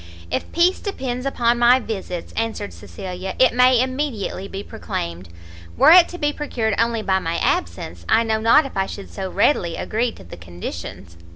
"If peace depends upon my visits," answered Cecilia, "it may immediately be proclaimed; were it to be procured only by my absence, I know not if I should so readily agree to the conditions."